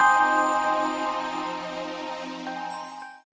terima kasih gimana